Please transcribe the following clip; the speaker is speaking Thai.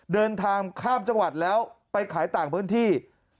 เดินทางข้ามจังหวัดแล้วไปขายต่างพื้นที่